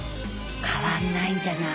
変わんないんじゃない？